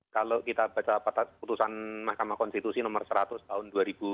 kalau kita baca peta keputusan mahkamah konstitusi nomor seratus tahun dua ribu lima belas